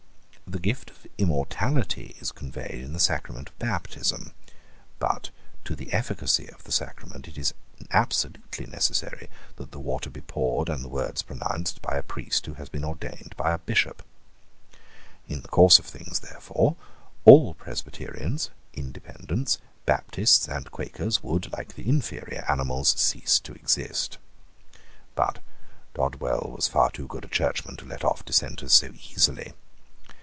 The gift of immortality is conveyed in the sacrament of baptism: but to the efficacy of the sacrament it is absolutely necessary that the water be poured and the words pronounced by a priest who has been ordained by a bishop. In the natural course of things, therefore, all Presbyterians, Independents, Baptists, and Quakers would, like the inferior animals, cease to exist. But Dodwell was far too good a churchman to let off dissenters so easily.